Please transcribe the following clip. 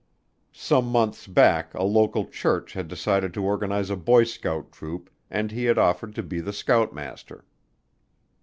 Some months back a local church had decided to organize a boy scout troop and he had offered to be the scoutmaster.